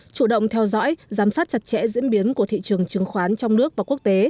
chủ động theo dõi giám sát chặt chẽ diễn biến của thị trường chứng khoán trong nước và quốc tế